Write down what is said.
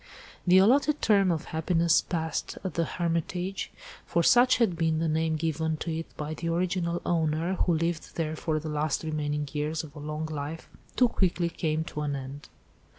The allotted term of happiness passed at the Hermitage, for such had been the name given to it by the original owner, who lived there for the last remaining years of a long life, too quickly came to an end.